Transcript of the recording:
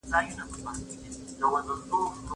په زړه سخت ظالمه یاره سلامي ولاړه ومه